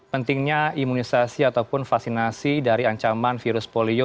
pentingnya imunisasi ataupun vaksinasi dari ancaman virus polio